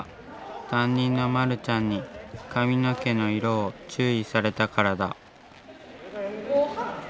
担任のまるちゃんに髪の毛の色を注意されたからだ。